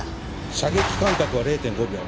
射撃間隔は０．５秒。